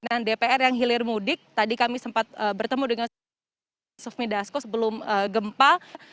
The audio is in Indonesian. di depan dpr yang hilir mudik tadi kami sempat bertemu dengan soef medasko sebelum gempa